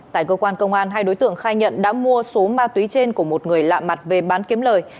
tại cơ quan công an hai đối tượng khai nhận đã mua số ma túy trên của một người lạ mặt về bán kiếm lời